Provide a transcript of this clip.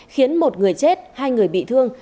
khiến một người chết hai người bị thương